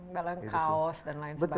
dalam kaos dan lain sebagainya